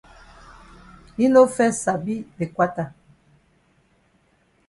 Yi no fes sabi de kwata.